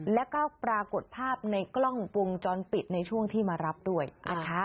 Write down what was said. แล้วก็ปรากฏภาพในกล้องวงจรปิดในช่วงที่มารับด้วยนะคะ